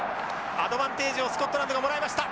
アドバンテージをスコットランドがもらいました。